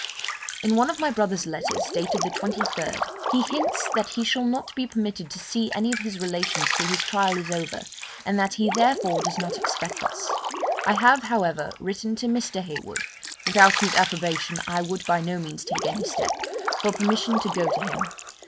'In one of my brother's letters, dated the 23rd, he hints that he shall not be permitted to see any of his relations till his trial is over, and that he therefore does not expect us. I have, however, written to Mr. Heywood (without whose approbation I would by no means take any step) for permission to go to him.